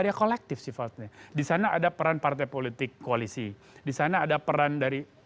ada kolektif sifatnya di sana ada peran partai politik koalisi di sana ada peran dari